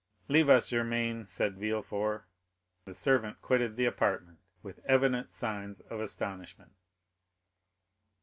"Leave us, Germain," said Villefort. The servant quitted the apartment with evident signs of astonishment.